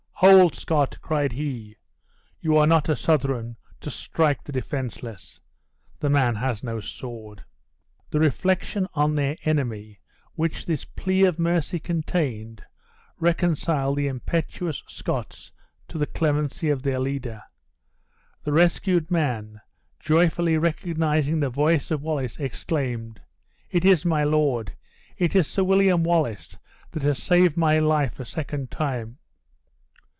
"Hold, Scot!" cried he, "you are not a Southron, to strike the defenseless. The man has no sword." The reflection on their enemy which this plea of mercy contained reconciled the impetuous Scots to the clemency of their leader. The rescued man, joyfully recognizing the voice of Wallace, exclaimed, "It is my lord! It is Sir William Wallace that has saved my life a second time!"